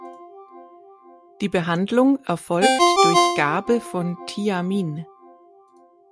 Die Behandlung erfolgt durch Gabe von Thiamin.